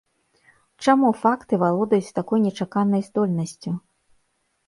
Чаму факты валодаюць такой нечаканай здольнасцю?